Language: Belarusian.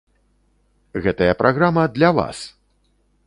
Гэтая праграма для вас!